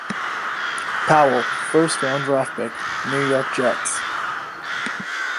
Powell first round draft pick New York Jets.